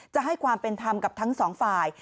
จะให้ความเป็นธรรมกับทั้งสองฝ่าย